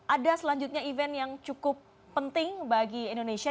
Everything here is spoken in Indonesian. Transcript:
ada selanjutnya event yang cukup penting bagi indonesia